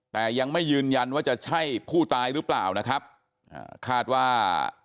แต่ยังไม่ยืนยันว่าจะใช่ผู้ตายหรือเปล่านะครับอ่าคาดว่า